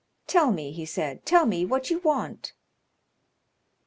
"Tell me," he said—"tell me what you want?"